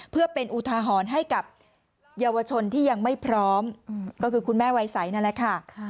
เพื่อเป็นอุทาหรณ์ให้กับเยาวชนที่ยังไม่พร้อมก็คือคุณแม่วัยใสนั่นแหละค่ะ